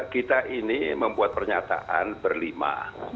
kita ini membuat pernyataan berlima